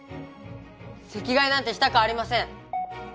席替えなんてしたくありません！